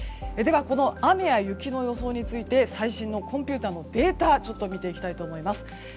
では、この雨や雪の予想について最新のコンピューターのデータを見ていきたいと思います。